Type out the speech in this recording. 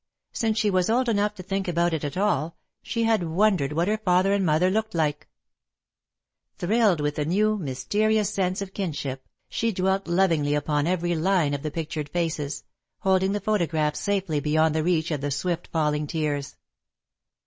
Since she was old enough to think about it all, she had wondered what her father and mother looked like. [Sidenote: Her Father's Letter] Thrilled with a new, mysterious sense of kinship, she dwelt lovingly upon every line of the pictured faces, holding the photograph safely beyond the reach of the swift falling tears.